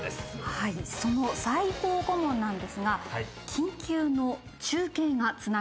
はいその最高顧問なんですが緊急の中継がつながっているようです。